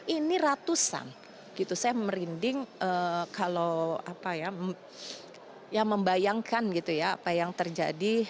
ini ratusan gitu saya merinding kalau apa ya yang membayangkan gitu ya apa yang terjadi